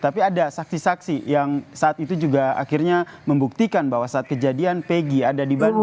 tapi ada saksi saksi yang saat itu juga akhirnya membuktikan bahwa saat kejadian pegi ada di bandung